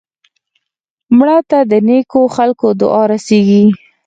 مړه ته د نیکو خلکو دعا رسېږي